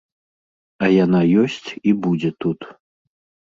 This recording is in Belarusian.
А яна ёсць і будзе тут.